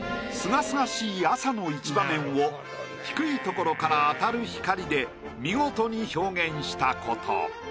清々しい朝の一場面を低い所から当たる光で見事に表現したこと。